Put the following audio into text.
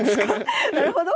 なるほど。